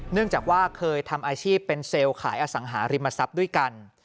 เนื่องจากว่าเคยทำอาชีพเป็นเซลล์ขายอสังหาริมทรัพย์ด้วยกัน